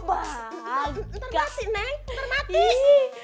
ntar mati neng ntar mati